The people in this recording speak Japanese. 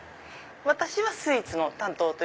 私はスイーツの担当で。